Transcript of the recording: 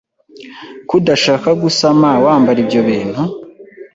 ko udashaka gusama wambara ibyo bintu